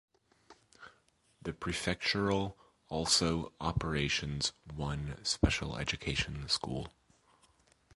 The prefectural also operations one special education school.